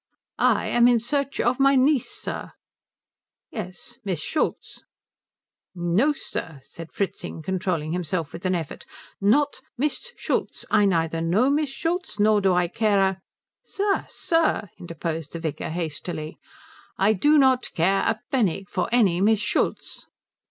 "I am in search of my niece, sir." "Yes. Miss Schultz." "No sir," said Fritzing, controlling himself with an effort, "not Miss Schultz. I neither know Miss Schultz nor do I care a " "Sir, sir," interposed the vicar, hastily. "I do not care a pfenning for any Miss Schultz."